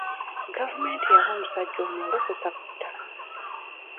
Gavumenti yawa omusajja ono olukusa ku ttaka.